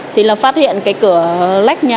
thì là phát hiện cái cửa lách nhà